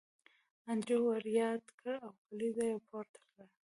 انډریو ور یاد کړ او کلیزه یې پورته کړه